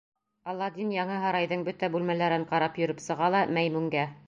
Аладдин яңы һарайҙың бөтә бүлмәләрен ҡарап йөрөп сыға ла Мәймүнгә: